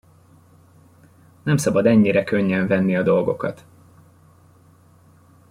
Nem szabad ennyire könnyen venni a dolgokat.